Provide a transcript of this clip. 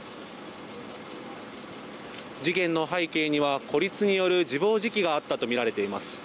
事件の背景には孤立による自暴自棄があったとみられています。